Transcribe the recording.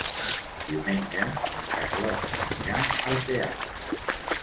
Diumenge na Carlota anirà al teatre.